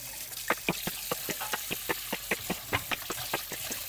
Are they more focused on humanitarian or natural sciences?